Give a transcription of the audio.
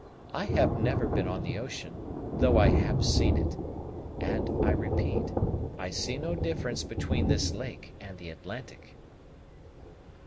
I have never been on the ocean, though I have seen it; and, I repeat, I see no difference between this lake and the Atlantic."